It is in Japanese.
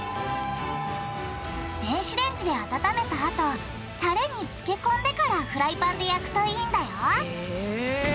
電子レンジで温めたあとタレにつけこんでからフライパンで焼くといいんだよへぇ。